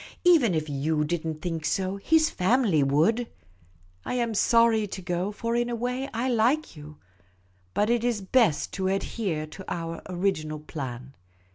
Even if yoji did n't think so, his family would. I am sorry to go ; for in a way I like you. But it is best to adhere to our original plan.